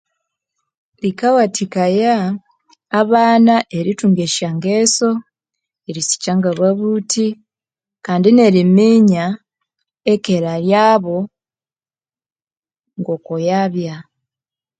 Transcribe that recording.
Likawathikaya abana erithunga eshyangeso erisikya ngababuthi Kandi neriminya ekera yabo ngokuyabya